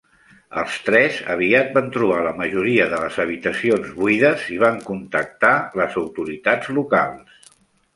Els tres aviat van trobar la majoria de les habitacions buides i van contactar les autoritats locals.